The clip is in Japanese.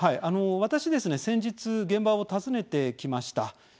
私、先日現場を訪ねてきました。